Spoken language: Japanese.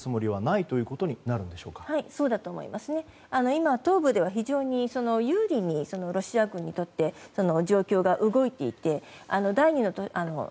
今、東部では非常に有利にロシア軍にとって状況は動いていて第２の都市